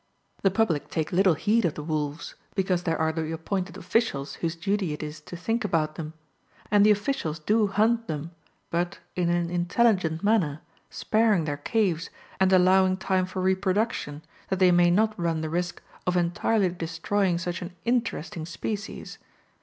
The public take little heed of the wolves, because there are the appointed officials, whose duty it is to think about them. And the officials do hunt them, but in an intelligent manner, sparing their caves, and allowing time for reproduction, that they may not run the risk of entirely destroying such an interesting species.